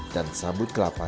dan sabut kelapa